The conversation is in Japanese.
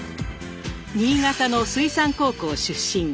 新潟の水産高校出身。